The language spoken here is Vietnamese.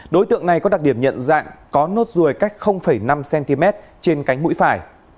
đối tượng này có đặc điểm nhận dạng có nốt ruồi cách năm cm trên cánh mũi phải